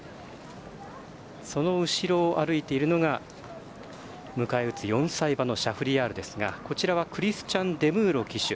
後ろを歩いているのが迎え撃つ４歳馬のシャフリヤールこちらはクリスチャン・デムーロ騎手